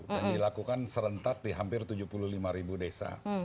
dan dilakukan serentak di hampir tujuh puluh lima ribu desa